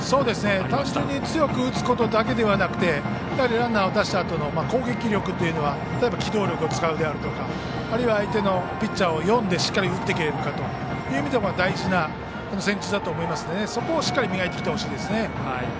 単純に強く打つことだけではなくてランナーを出したあとの攻撃力、機動力を使うであるとか相手のピッチャーを読んでしっかり打っていけるかという意味では大事な戦術だと思いますのでそこをしっかり磨いてほしいです。